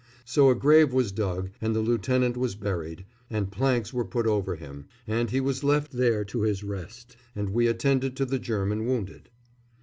So a grave was dug and the lieutenant was buried, and planks were put over him, and he was left there to his rest, and we attended to the German wounded.